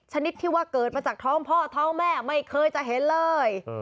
ชนิดที่ว่าเกิดมาจากท้องพ่อท้องแม่ไม่เคยจะเห็นเลย